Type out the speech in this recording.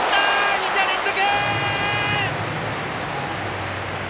２者連続！